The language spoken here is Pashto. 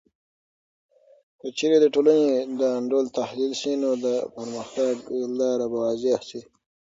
که چیرې د ټولنې انډول تحلیل سي، نو د پرمختګ لاره به واضح سي.